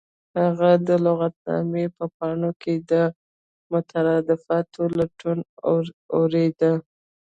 هغه د لغتنامې په پاڼو کې د مترادفاتو لټون اوریده